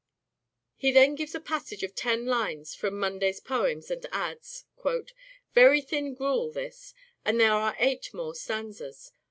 He then gives a passage of ten lines from Munday's poems and adds :" Very thin gruel this, and there are eight more stanzas.